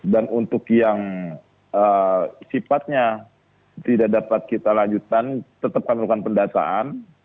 untuk yang sifatnya tidak dapat kita lanjutkan tetap kami lakukan pendataan